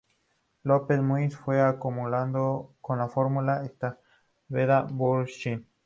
López Murphy, fue acompañado en la fórmula por Esteban Bullrich.